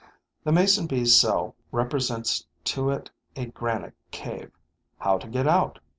The Mason bee's cell represents to it a granite cave. How to get out?